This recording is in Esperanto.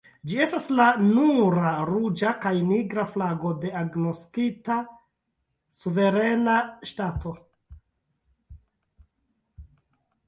Ĝi estas la nura ruĝa kaj nigra flago de agnoskita suverena ŝtato.